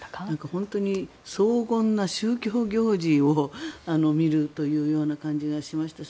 本当に荘厳な宗教行事を見るというような感じがしました。